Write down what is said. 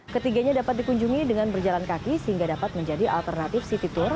ketiganya dapat dikunjungi dengan berjalan kaki sehingga dapat menjadi alternatif city tour